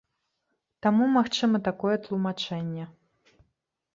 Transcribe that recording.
Таму магчыма такое тлумачэнне.